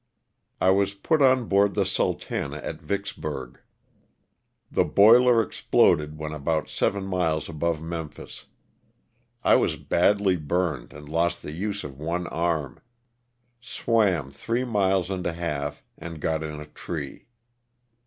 I was put on board the '^ Sultana " at Yicksburg. The boiler exploded when about seven miles above Memphis. I was badly burned and lost the use of one arm ; swam three miles and a half, and got in a tree.